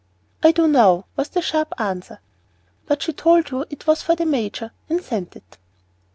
"I do now" was the sharp answer. "But she told you it was for the major, and sent it."